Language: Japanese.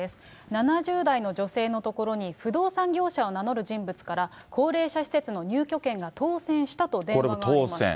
７０代の女性のところに、不動産業者を名乗る人物から、高齢者施設の入居権が当せんしたと電話がありました。